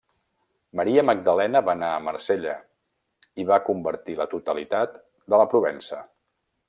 Maria Magdalena va anar a Marsella i va convertir la totalitat de la Provença.